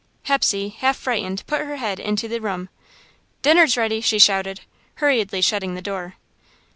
Hepsey, half frightened, put her head into the room. "Dinner's ready," she shouted, hurriedly shutting the door.